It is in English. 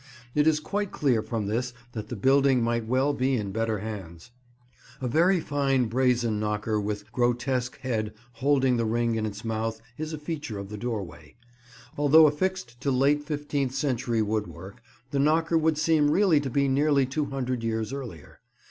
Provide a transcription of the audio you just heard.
It is quite clear from this that the building might well be in better hands. [Picture: Ancient Knocker, Stratford on Avon Church] A very fine brazen knocker with grotesque head holding the ring in its mouth is a feature of the doorway. Although affixed to late fifteenth century wood work, the knocker would seem really to be nearly two hundred years earlier.